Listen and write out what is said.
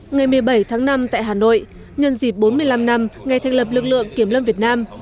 ngày một mươi bảy tháng năm tại hà nội nhân dịp bốn mươi năm năm ngày thành lập lực lượng kiểm lâm việt nam